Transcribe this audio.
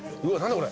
これ。